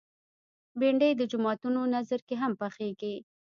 بېنډۍ د جوماتونو نذر کې هم پخېږي